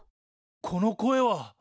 この声は。